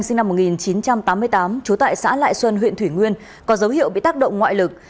sinh năm một nghìn chín trăm tám mươi tám trú tại xã lại xuân huyện thủy nguyên có dấu hiệu bị tác động ngoại lực